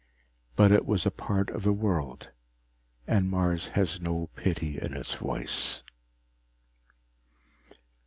But it was a part of a world, and Mars has no pity in its voice.